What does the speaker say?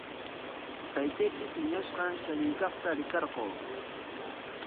Taytayki piñashqa shamuykaqta rikarquu.